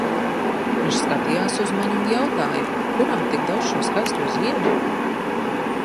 Viņš skatījās uz mani un jautāja, kuram tik daudz šo skaisto ziedu?